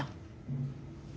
うん。